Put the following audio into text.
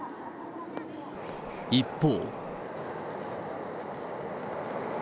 一方。